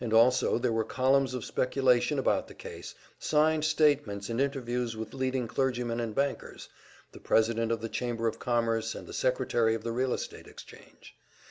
Also there were columns of speculation about the case, signed statements and interviews with leading clergymen and bankers, the president of the Chamber of Commerce and the secretary of the Real Estate Exchange.